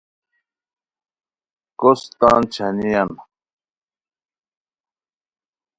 کوس تان چھانییان